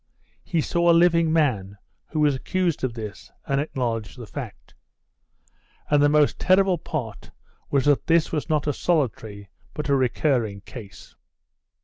(He saw a living man who was accused of this and acknowledged the fact.) And the most terrible part was that this was not a solitary, but a recurring case.